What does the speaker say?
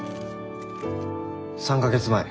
３か月前